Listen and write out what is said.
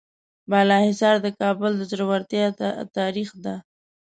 بالاحصار د کابل د زړورتیا تاریخ ده.